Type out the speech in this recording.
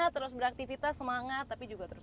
terus beraktivitas semangat tapi juga terus